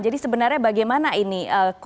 jadi sebenarnya bagaimana ini